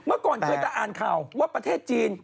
ข้างก่อนเคยตาร์อ่านข่าวว่าประเทศจีน